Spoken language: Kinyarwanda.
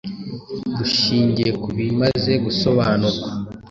Dushingiye ku bimaze gusobanurwa,